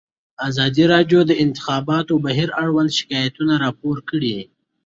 ازادي راډیو د د انتخاباتو بهیر اړوند شکایتونه راپور کړي.